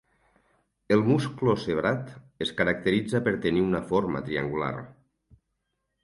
El musclo zebrat es caracteritza per tenir una forma triangular.